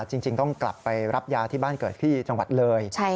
จริงต้องกลับไปรับยาที่บ้านเกิดที่จังหวัดเลย